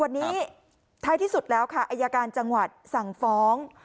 วันนี้ท้ายที่สุดแล้วค่ะอายการจังหวัดสั่งฟ้อง